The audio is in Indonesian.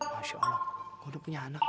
hah masya allah gua udah punya anak